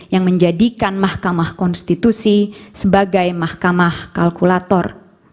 yang menjadikan mahkamah konstitusi sebagai mahkamah kalkulator